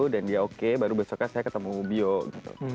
dan dia oke baru besoknya saya ketemu bio gitu